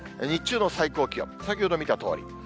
日中の最高気温、先ほど見たとおり。